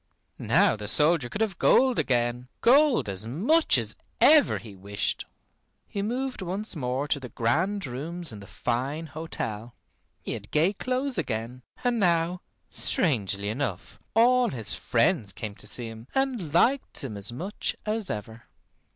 Now the soldier could have gold again. Gold as much as ever he wished. He moved once more to the grand rooms in the fine hotel. He had gay clothes again; and now, strangely enough, all his friends came to see him and liked him as much as ever.